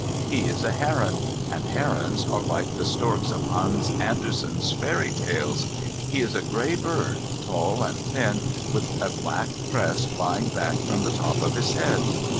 He is a heron, and herons are like the storks of Hans Andersen's fairy stories. He is a grey bird, tall and thin, with a black crest lying back from the top of his head.